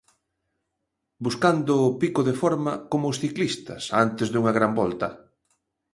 Buscando o pico de forma como os ciclistas antes dunha gran volta...